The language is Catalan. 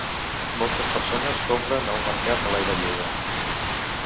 Moltes persones compren a un mercat a l'aire lliure.